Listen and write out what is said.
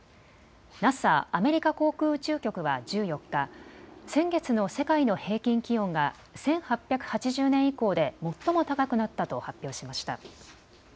ＮＡＳＡ・アメリカ航空宇宙局は１４日、先月の世界の平均気温が１８８０年以降で最も高くなったと発表しました。